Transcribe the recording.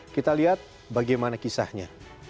kita lihat bagaimana kisahnya